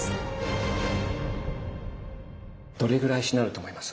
どれぐらいしなると思います？